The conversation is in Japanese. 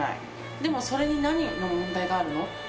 でもそれの何に問題があるの？